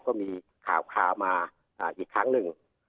ก็มีข่าวมาอีกครั้งหนึ่ง